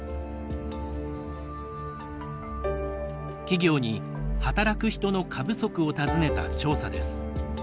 企業に働く人の過不足を尋ねた調査です。